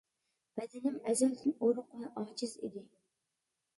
بەدىنىم ئەزەلدىن ئۇرۇق ۋە ئاجىز ئىدى.